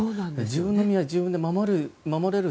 自分の身は自分の身で守れる